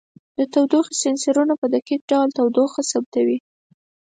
د تودوخې سینسرونو په دقیق ډول تودوخه ثبتوي.